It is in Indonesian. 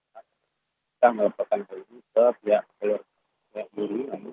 dan juga kita melakukan penyelidikan dan memperbaiki peristiwa itu